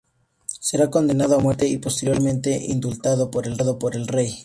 Será condenado a muerte y posteriormente indultado por el rey.